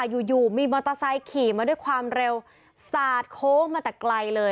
อยู่อยู่มีมอเตอร์ไซค์ขี่มาด้วยความเร็วสาดโค้งมาแต่ไกลเลย